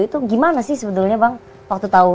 itu gimana sih sebenarnya bang waktu tau